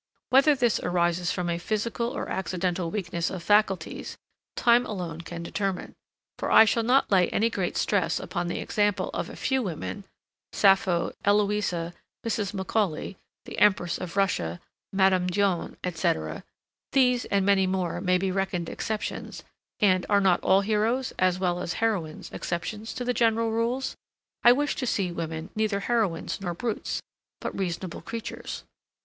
Whether this arises from a physical or accidental weakness of faculties, time alone can determine; for I shall not lay any great stress upon the example of a few women (Sappho, Eloisa, Mrs. Macaulay, the Empress of Russia, Madame d'Eon, etc. These, and many more, may be reckoned exceptions; and, are not all heroes, as well as heroines, exceptions to general rules? I wish to see women neither heroines nor brutes; but reasonable creatures.)